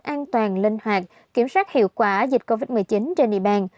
an toàn linh hoạt kiểm soát hiệu quả dịch covid một mươi chín trên địa bàn